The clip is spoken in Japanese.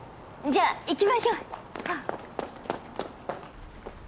じゃあ行きましょう。